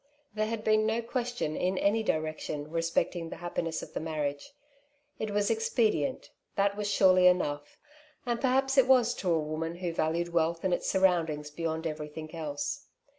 There had been no question in any direction respect ing the happiness of the marriage ; it was expe dient, that was surely enough ; and perhaps it was to a woman who valued wealth and its surroundings beyond everything else.